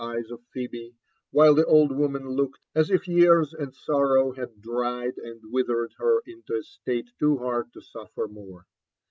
eyes of Phebe, while the old woman looked as if year^ and sorrow had dried and withered her into a state too hard to suffer more.